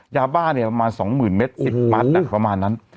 ยาบ้านเนี่ยประมาณสองหมื่นเมตรสิบบัตรประมาณนั้น